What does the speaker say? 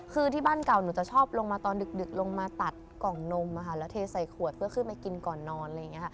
คือที่บ้านเก่าหนูจะชอบลงมาตอนดึกลงมาตัดกล่องนมแล้วเทใส่ขวดเพื่อขึ้นไปกินก่อนนอนอะไรอย่างนี้ค่ะ